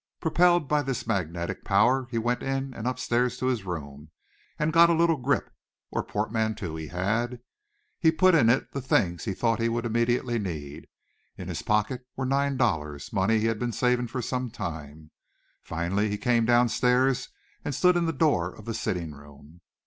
Propelled by this magnetic power he went in and upstairs to his room, and got a little grip or portmanteau he had. He put in it the things he thought he would immediately need. In his pocket were nine dollars, money he had been saving for some time. Finally he came downstairs and stood in the door of the sitting room.